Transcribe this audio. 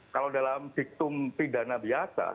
kalau dalam diktum pidana biasa